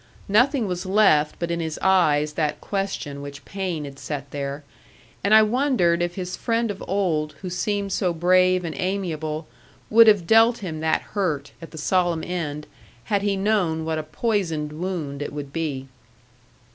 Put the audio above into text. Nothing was left but in his eyes that question which pain had set there; and I wondered if his friend of old, who seemed so brave and amiable, would have dealt him that hurt at the solemn end had he known what a poisoned wound it would be.